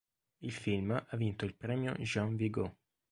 Il film ha vinto il Premio Jean Vigo.